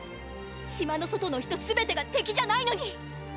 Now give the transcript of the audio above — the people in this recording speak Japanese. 島の外の人すべてが敵じゃないのに！！